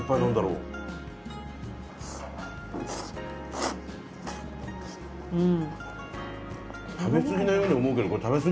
うん！